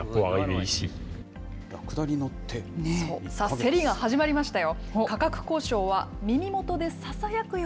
競りが始まりましたよ。